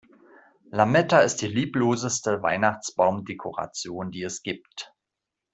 Lametta ist die liebloseste Weihnachtsbaumdekoration, die es gibt.